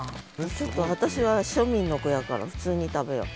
ちょっと私は庶民の子やから普通に食べよう。